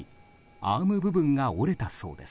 アーム部分が折れたそうです。